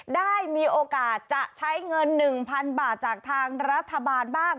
ได้มีโอกาสจะใช้เงิน๑๐๐๐บาทจากทางรัฐบาลบ้าง